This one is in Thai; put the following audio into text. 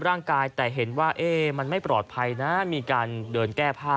ร่างกายแต่เห็นว่ามันไม่ปลอดภัยนะมีการเดินแก้ผ้า